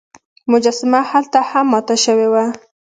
مجسمه هلته هم ماته شوې وه.